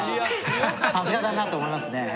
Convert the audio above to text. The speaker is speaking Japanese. さすがだなと思いますね。